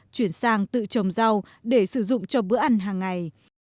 chuyển sang tự trồng rau để sử dụng cho bữa ăn hàng ngày